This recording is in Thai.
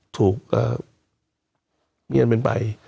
เงียนเป็นไป